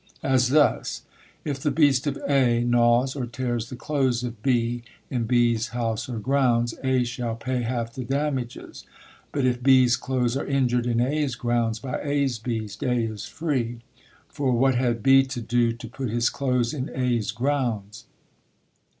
As thus; if the beast of A. gnaws or tears the clothes of B. in B.'s house or grounds, A. shall pay half the damages; but if B.'s clothes are injured in A.'s grounds by A.'s beast, A. is free, for what had B. to do to put his clothes in A.'s grounds?